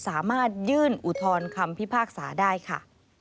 สามารถยื่นอุทธรณ์คำพิพากษาได้ค่ะ